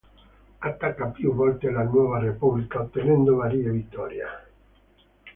Attacca più volte la Nuova Repubblica, ottenendo varie vittorie.